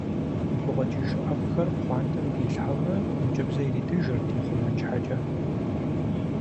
И гукъэкӏыж ӏэфӏхэр пхъуантэм дилъхьэурэ ӏункӏыбзэ иритыжырт ихъумэн щхьэкӏэ.